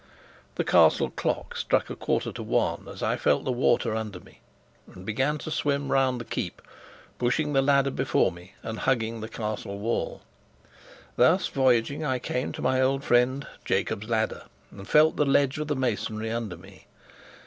The Castle clock struck a quarter to one as I felt the water under me and began to swim round the keep, pushing the ladder before me, and hugging the Castle wall. Thus voyaging, I came to my old friend, "Jacob's Ladder," and felt the ledge of the masonry under me.